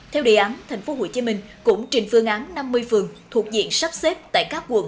theo đề án tp hcm cũng trình phương án năm mươi phường thuộc diện sắp xếp tại các quận